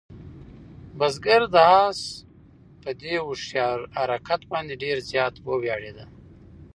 بزګر د آس په دې هوښیار حرکت باندې ډېر زیات وویاړېده.